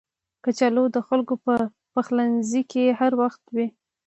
کچالو د خلکو په پخلنځي کې هر وخت وي